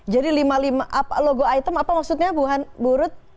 jadi logo item apa maksudnya ibu rut